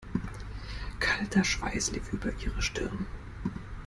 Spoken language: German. Kalter Schweiß lief über ihre Stirn.